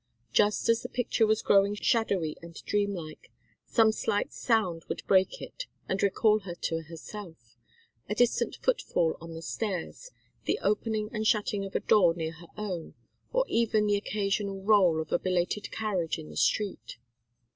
Just as the picture was growing shadowy and dreamlike, some slight sound would break it and recall her to herself, a distant foot fall on the stairs, the opening and shutting of a door near her own, or even the occasional roll of a belated carriage in the street.